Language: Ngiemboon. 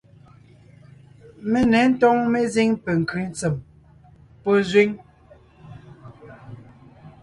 Mé ně ńtóŋ mezíŋ penkʉ́ ntsèm pɔ́ zẅíŋ.